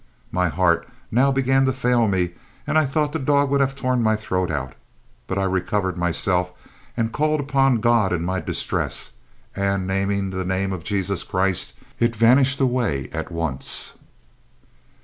My heart now began to fail me, and I thought the dog would have torn my throat out; but I recovered myself and called upon God in my distress; and, naming the name of Jesus Christ, it vanished away at once."